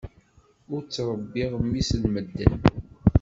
Ur ttrebbiɣ mmi-s n medden.